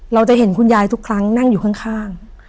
เราจะเห็นคุณยายทุกครั้งนั่งอยู่ข้าง